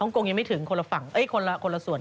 อย่าเพิ่งมาสิฮ้องโกลงยังไม่ถึงคนละส่วน